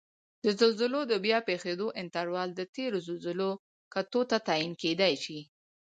د زلزلو د بیا پېښیدو انټروال د تېرو زلزلو کتو ته تعین کېدای شي